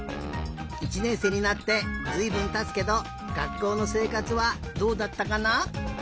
１ねんせいになってずいぶんたつけどがっこうのせいかつはどうだったかな？